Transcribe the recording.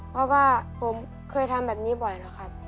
เพราะว่าผมเคยทำแบบนี้บ่อยแล้วครับ